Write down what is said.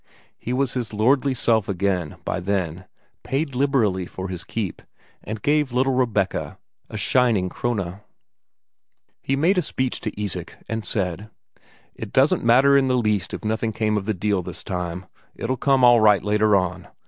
He was his lordly self again by then, paid liberally for his keep, and gave little Rebecca a shining Krone. He made a speech to Isak, and said: "It doesn't matter in the least if nothing came of the deal this time, it'll come all right later on.